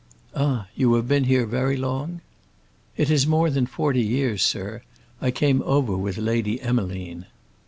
"Ah, you have been here very long?" "It is more than forty years, sir. I came over with Lady Emmeline."